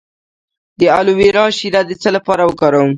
د الوویرا شیره د څه لپاره وکاروم؟